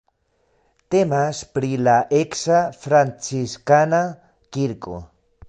Temas pri la eksa franciskana kirko.